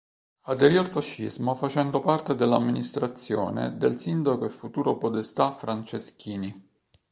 Aderì al fascismo facendo parte dell'amministrazione del sindaco e futuro podestà Franceschini.